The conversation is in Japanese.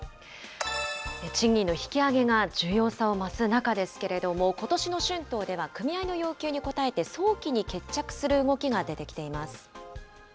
賃金の引き上げが重要さを増す中ですけれども、ことしの春闘では、組合の要求に応えて、早期に決着する動きが出てきています。